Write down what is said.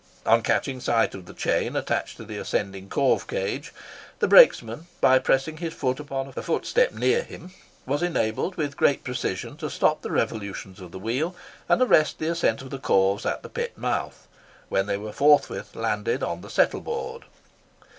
On catching sight of the chain attached to the ascending corve cage, the brakesman, by pressing his foot upon a foot step near him, was enabled, with great precision, to stop the revolutions of the wheel, and arrest the ascent of the corves at the pit mouth, when they were forthwith landed on the "settle board."